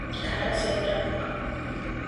Karatasi imeraruka.